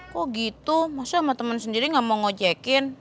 kok gitu masa sama temen sendiri gak mau ngejekin